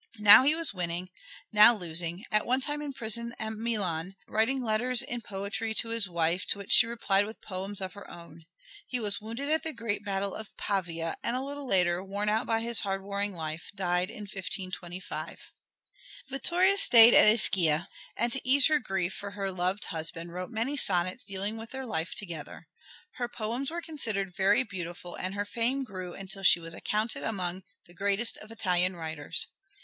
Now he was winning, now losing, at one time in prison at Milan writing letters in poetry to his wife to which she replied with poems of her own. He was wounded at the great battle of Pavia, and a little later, worn out by his hard warring life, died in 1525. Vittoria stayed at Ischia, and to ease her grief for her loved husband wrote many sonnets dealing with their life together. Her poems were considered very beautiful and her fame grew until she was accounted among the greatest of Italian writers.